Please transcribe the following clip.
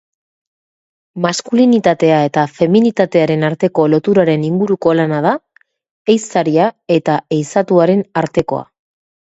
Maskulinitatea eta feminitatearen arteko loturaren inguruko lana da, ehiztaria eta ehizatuaren artekoa.